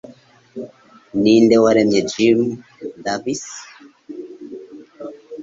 Ninde waremye Jim Davis?